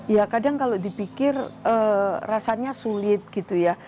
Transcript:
ya kadang kalau dipikir rasanya sulit gitu ya